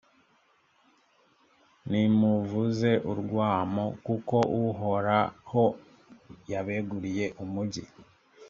nimuvuze urwamo! kuko uhoraho yabeguriye umugi.